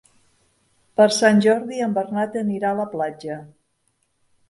Per Sant Jordi en Bernat anirà a la platja.